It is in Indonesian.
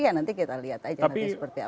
ya nanti kita lihat aja nanti seperti apa